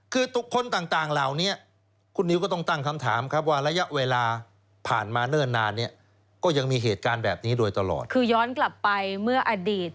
คือย้อนกลับไปเมื่ออดีต